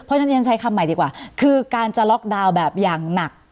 เพราะฉะนั้นที่ฉันใช้คำใหม่ดีกว่าคือการจะล็อกดาวน์แบบอย่างหนัก